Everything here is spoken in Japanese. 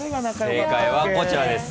正解はこちらです。